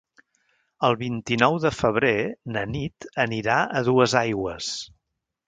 El vint-i-nou de febrer na Nit anirà a Duesaigües.